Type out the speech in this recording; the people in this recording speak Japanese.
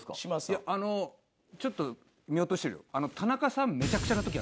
いやあのちょっと見落としてるよ。